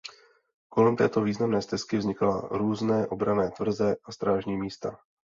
Kolem této významné stezky vznikala různé obranné tvrze a strážní místa.